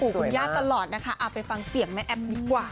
ปู่คุณย่าตลอดนะคะไปฟังเสียงแม่แอฟดีกว่า